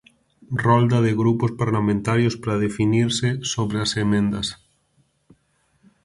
Rolda de grupos parlamentarios para definirse sobre as emendas.